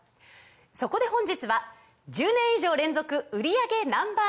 そこで本日は１０年以上連続売り上げＮｏ．１